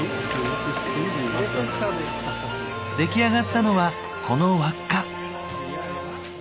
出来上がったのはこの輪っか。